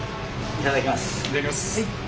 いただきます。